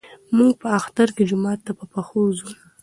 موږ په اختر کې جومات ته په پښو ځو.